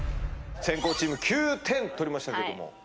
先攻チーム９点取りましたけども。